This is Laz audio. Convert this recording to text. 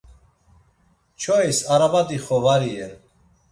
Çois araba dixo var iyen.